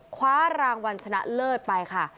คว้ารางวัลชนะเลิศไปค่ะ